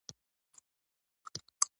موږ له خپل هېواد سره مینه لرو.